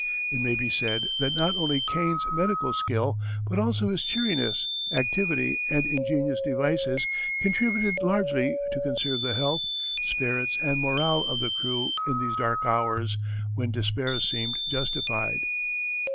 It may be said that not only Kane's medical skill, but also his cheeriness, activity, and ingenious devices contributed largely to conserve the health, spirits, and morale of the crew in these dark hours when despair seemed justified.